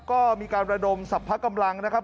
ก็มีการระดมสรรพกำลังนะครับ